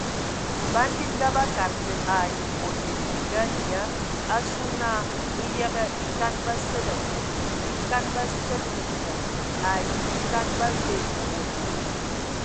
Ban bininga bakad kə ai mbonde mininga (nyia) asu na bə yəgə e kan basene afub e kan basen mimboŋ ai e kan babƐ owondo.